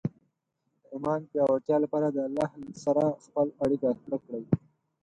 د ایمان پیاوړتیا لپاره د الله سره خپل اړیکه ښې کړئ.